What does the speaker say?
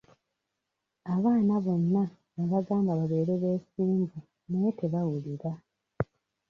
Abaana bonna nnabagamba babeere beesimbu naye tebawulira.